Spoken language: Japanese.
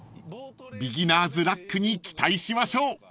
［ビギナーズラックに期待しましょう］